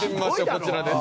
こちらです。